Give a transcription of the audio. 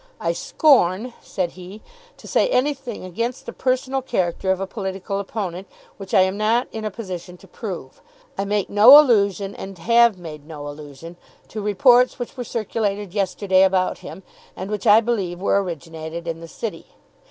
"I scorn," said he, "to say anything against the personal character of a political opponent, which I am not in a position to prove. I make no allusion, and have made no allusion, to reports which were circulated yesterday about him, and which I believe were originated in the City.